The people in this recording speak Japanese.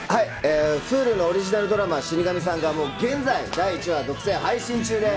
Ｈｕｌｕのオリジナルドラマ『死神さん』、現在第１話が独占配信中です。